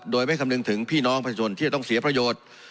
โดยไม่คำนึงถึงพี่น้องประชาชนที่จะต้องเสียประโยชน์